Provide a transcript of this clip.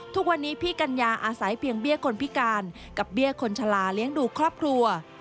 ทุกวันนี้พี่กัญญาอาศัยเพียงเบี้ยคนพิการกับเบี้ยคนชะลาเลี้ยงดูครอบครัว